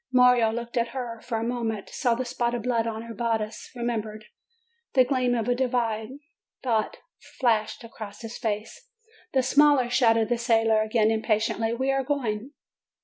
Mario looked at her for a moment, saw the spot of blood on her bodice, remembered . The gleam of a divine thought flashed across his face. "The smaller!" shouted the sailors again impa tiently. "We are going!"